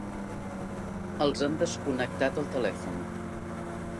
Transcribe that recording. Els han desconnectat el telèfon.